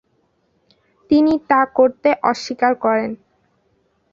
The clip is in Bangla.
তিনি তা করতে অস্বীকার করেন।